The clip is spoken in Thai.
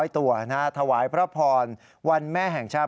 ตัวถวายพระพรวันแม่แห่งชาติ